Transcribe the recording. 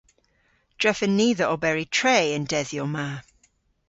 Drefen ni dhe oberi tre y'n dedhyow ma.